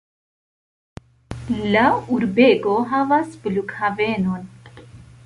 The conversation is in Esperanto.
La urbego havas flughavenon.